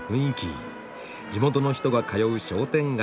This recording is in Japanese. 「地元の人が通う商店街」